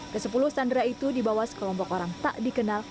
ke sepuluh sandera itu dibawa sekelompok orang tak dikenal